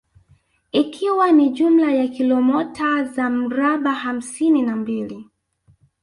Ikiwa na jumla ya kilomota za mraba hamsini na mbili